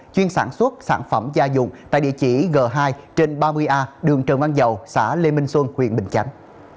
chuyên sản xuất sản phẩm gia dụng tại địa chỉ g hai trên ba mươi a đường trần văn dầu xã lê minh xuân huyện bình chánh